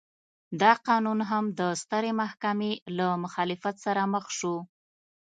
دا قانون هم د سترې محکمې له مخالفت سره مخ شو.